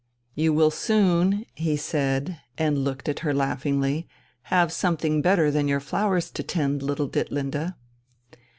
"You will soon," he said, and looked at her laughingly, "have something better than your flowers to tend, little Ditlinde."